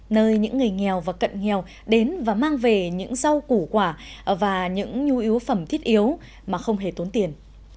nơi những người nghèo và cận nghèo đến và mang về những rau củ quả và những nhu yếu phẩm thiết yếu mà không hề tốn tiền